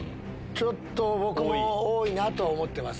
ちょっと僕も多いなとは思ってます。